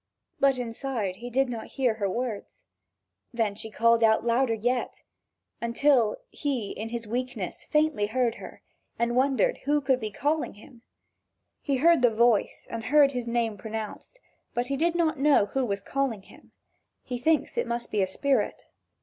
But inside he did not hear her words. Then she called out louder yet, until he in his weakness faintly heard her, and wondered who could be calling him. He heard the voice and heard his name pronounced, but he did not know who was calling him: he thinks it must be a spirit.